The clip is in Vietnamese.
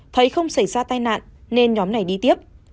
thấy không xảy ra tai nạn nên nhóm này đi tiếp